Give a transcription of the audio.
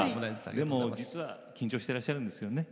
でも実は緊張してらっしゃるんですよね。